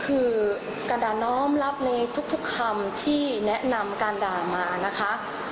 คือการด่าน้อมรับในทุกคำที่แนะนำการด่ามานะคะ